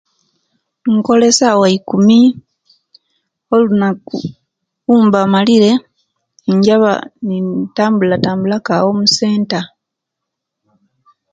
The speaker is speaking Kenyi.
Nkola esawa ikumi olunaku owemba malire injaba ni tambula tambula ku awo omusenta.